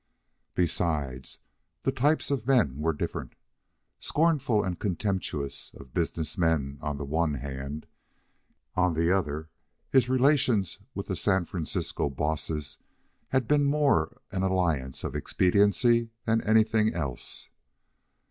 Besides, the types of men were different. Scornful and contemptuous of business men on the one hand, on the other his relations with the San Francisco bosses had been more an alliance of expediency than anything else.